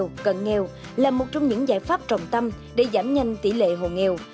hộ cần nghèo là một trong những giải pháp trọng tâm để giảm nhanh tỷ lệ hộ nghèo